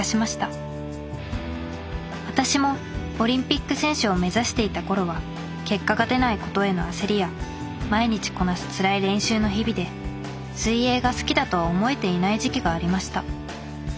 私もオリンピック選手を目指していた頃は結果が出ないことへの焦りや毎日こなすつらい練習の日々で水泳が好きだとは思えていない時期がありました。